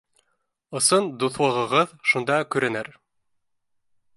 Ысын дуҫлығығыҙ шунда күренер.